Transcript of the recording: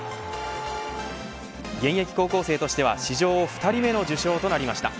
現役高校生としては史上２人目の受賞となりました。